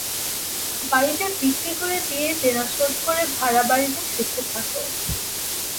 বাড়িটা বিক্রি করে দিয়ে দেনা শোধ করে ভাড়া বাড়িতে সুখে থাকো।